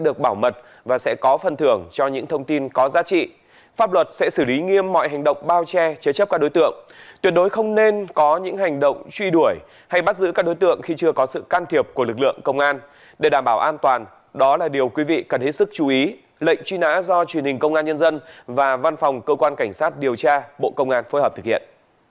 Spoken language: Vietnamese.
lệnh truy nã do truyền hình công an nhân dân và văn phòng cơ quan cảnh sát điều tra bộ công an phối hợp thực hiện